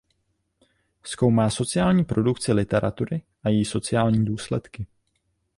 Zkoumá sociální produkci literatury a její sociální důsledky.